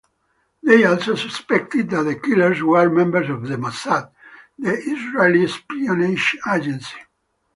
They also suspected that the killers were members of Mossad, the Israeli espionage agency.